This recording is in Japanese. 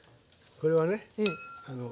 これはね